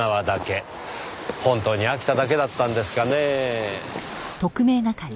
本当に飽きただけだったんですかねぇ？